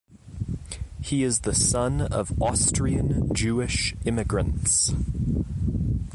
He is the son of Austrian Jewish immigrants.